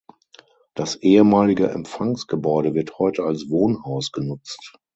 Das ehemalige Empfangsgebäude wird heute als Wohnhaus genutzt.